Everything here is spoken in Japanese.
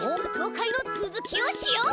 かいのつづきをしよう！